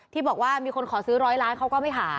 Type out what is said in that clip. ที่บอกว่ามีคนขอซื้อร้อยล้านเขาก็ไม่หา